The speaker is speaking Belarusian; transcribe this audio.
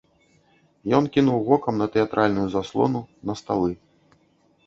Ён кінуў вокам на тэатральную заслону, на сталы.